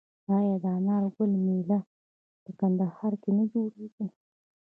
آیا د انار ګل میله په کندهار کې نه جوړیږي؟